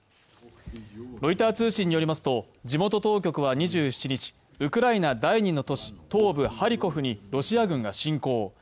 ロイター通信によりますと、地元右当局は２７日、ウクライナ第２の都市東部ハリコフにロシア軍が侵攻。